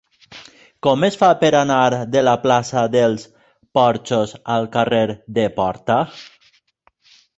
Com es fa per anar de la plaça dels Porxos al carrer de Porta?